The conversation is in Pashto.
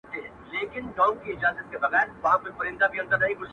د ورځي سور وي رسوایي پکښي,